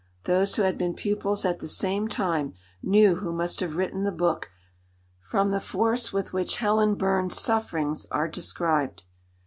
Those who had been pupils at the same time knew who must have written the book from the force with which Helen Burns's sufferings are described."